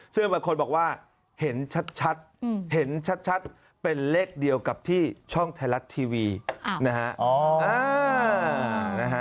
ซึ่งบางคนบอกว่าเห็นชัดเห็นชัดเป็นเลขเดียวกับที่ช่องไทยรัฐทีวีนะฮะ